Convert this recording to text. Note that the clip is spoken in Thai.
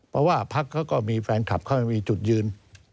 เพราะว่าภัคก็ก็มีแฟนคลับไว้มีจุดยืน